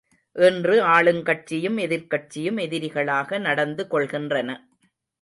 இன்று ஆளுங்கட்சியும் எதிர்க்கட்சியும் எதிரிகளாக நடந்து கொள்கின்றன.